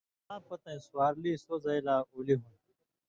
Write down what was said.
تَلاں پتَیں سُوَرلی سو زئ لا اُلی ہُوندیۡ